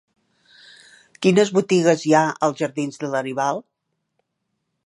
Quines botigues hi ha als jardins de Laribal?